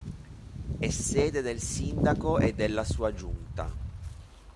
È sede del sindaco e della sua giunta.